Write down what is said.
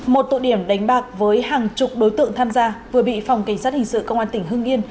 một tụ điểm đánh bạc với hàng chục đối tượng tham gia vừa bị phòng cảnh sát hình sự công an tỉnh hưng yên